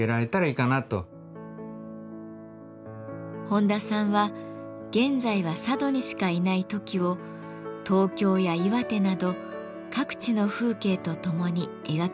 本多さんは現在は佐渡にしかいないトキを東京や岩手など各地の風景とともに描き続けてきました。